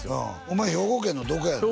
お前兵庫県のどこやの？